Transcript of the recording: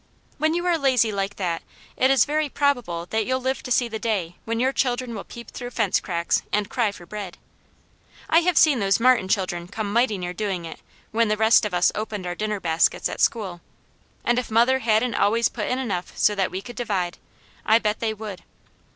When you are lazy like that it is very probable that you'll live to see the day when your children will peep through the fence cracks and cry for bread. I have seen those Martin children come mighty near doing it when the rest of us opened our dinner baskets at school; and if mother hadn't always put in enough so that we could divide, I bet they would.